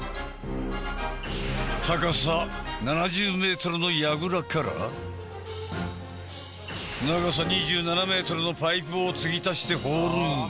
高さ７０ｍのやぐらから長さ２７ｍのパイプを継ぎ足して掘る。